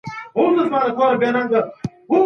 هغوی اوس په خپلو کي مينه او صميميت زياتوي.